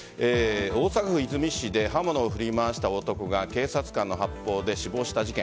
大阪府和泉市で刃物を振り回した男が警察官の発砲で死亡した事件。